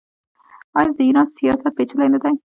آیا د ایران سیاست پیچلی نه دی؟